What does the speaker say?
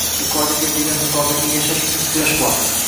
Yuqorida keltirilgan misoldagi yashash uchun kurash bor.